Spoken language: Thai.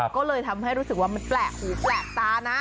ก็เลยทำให้รู้สึกว่ามันแปลกหูแปลกตานะ